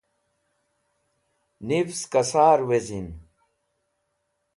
niv ska sar wezin